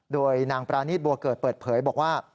โดยนางปรานีตบัวเกิดเปิดเผยบอกว่า